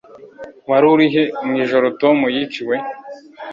Wari urihe mwijoro Tom yiciwe?